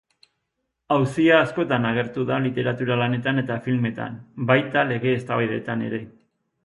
Auzia askotan agertu da literatura-lanetan eta filmetan, baita lege-eztabaidetan ere.